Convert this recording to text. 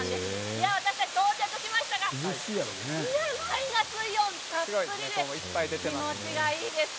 到着しましたがマイナスイオンたっぷりで気持ちがいいです。